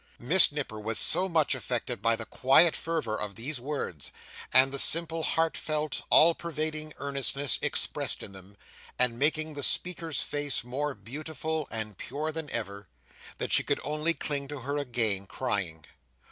Miss Nipper was so much affected by the quiet fervour of these words, and the simple, heartfelt, all pervading earnestness expressed in them, and making the speaker's face more beautiful and pure than ever, that she could only cling to her again, crying.